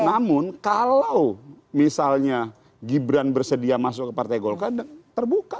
namun kalau misalnya gibran bersedia masuk ke partai golkar terbuka